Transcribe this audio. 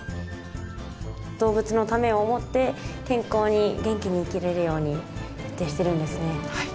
動物のためを思って健康に元気に生きれるように徹底してるんですね。